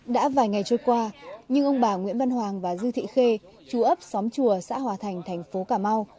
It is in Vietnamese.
đã vài ngày trôi qua nhưng ông bà nguyễn văn hoàng và dư thị chú ấp xóm chùa xã hòa thành thành phố cà mau